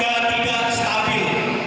harga tidak stabil